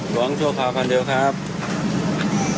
หวังชั่วคราวคันเดียวครับ